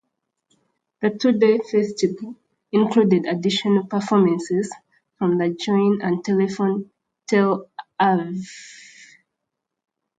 The two-day festival included additional performances from the Join and Telefon Tel Aviv.